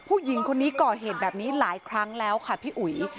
ผู้หญิงคนนี้ก่อเหตุแบบนี้หลายครั้งแล้วค่ะพี่อุ๋ย